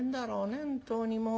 本当にもう。